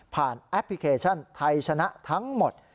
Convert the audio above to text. แอปพลิเคชันไทยชนะทั้งหมด